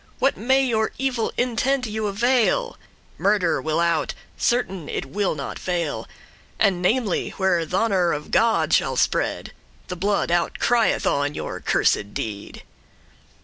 What may your evil intente you avail? Murder will out, certain it will not fail, And namely* where th' honour of God shall spread; *especially The blood out crieth on your cursed deed.